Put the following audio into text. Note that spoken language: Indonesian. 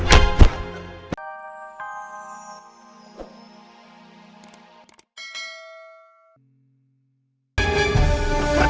udah jalan lagi